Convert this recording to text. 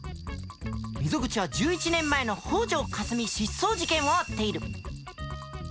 溝口は１１年前の北條かすみ失踪事件を追っている。